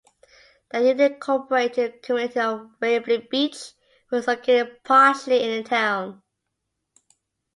The unincorporated community of Waverly Beach was located partially in the town.